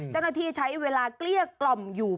เจ้าหน้าที่ใช้เวลาเกลี้ยกล่อมอยู่